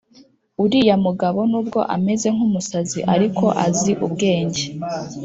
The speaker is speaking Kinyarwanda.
Uriya mugabo nubwo ameze nk’umusazi ariko azi ubwenge